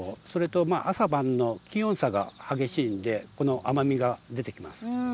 気候が涼しいところ朝晩の気温差が激しいのでこの甘みが出てきます。